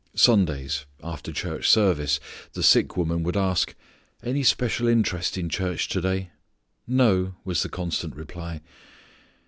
Sundays, after church service, the sick woman would ask, "Any special interest in church to day?" "No," was the constant reply.